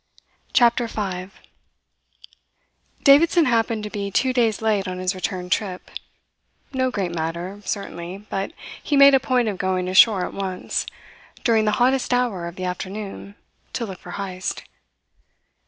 CHAPTER FIVE Davidson happened to be two days late on his return trip; no great matter, certainly, but he made a point of going ashore at once, during the hottest hour of the afternoon, to look for Heyst.